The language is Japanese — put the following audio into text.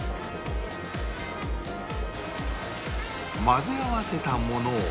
混ぜ合わせたものを